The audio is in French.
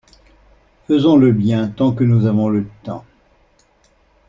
Faisons le bien tant que nous avons le temps.